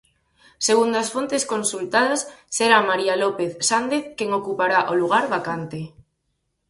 Segundo as fontes consultadas, será María López Sández quen ocupará o lugar vacante.